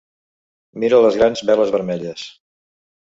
Mira les grans veles vermelles!